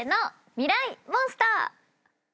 ミライ☆モンスター。